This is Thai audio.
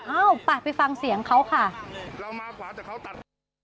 เอ้าไปไปฟังเสียงเขาค่ะเรามาขวาแต่เขาตัด